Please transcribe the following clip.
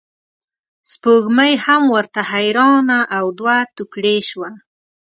سپوږمۍ هم ورته حیرانه او دوه توکړې شوه.